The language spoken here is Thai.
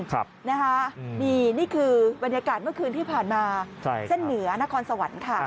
นี่คือบรรยากาศเมื่อคืนที่ผ่านมาเส้นเหนือนครสวรรค์ค่ะ